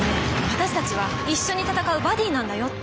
私たちは一緒に戦うバディなんだよって。